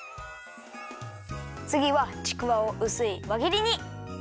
つぎはちくわをうすいわぎりに。